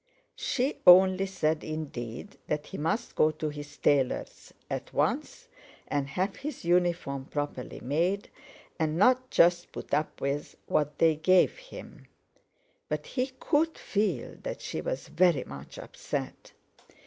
She only said, indeed, that he must go to his tailor's at once and have his uniform properly made, and not just put up with what they gave him. But he could feel that she was very much upset.